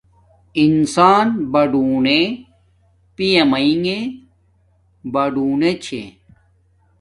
انسان بڑونݣ پیامینݣے پرڑنݣے چھے